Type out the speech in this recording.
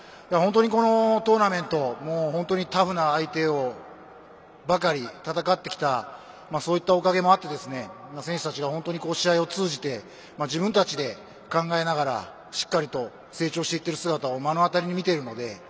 本当にこのトーナメントタフな相手とばかり戦ってきたそういったおかげもあって選手たちが試合を通じて自分たちで考えながらしっかり成長している姿を目の当たりにしているので。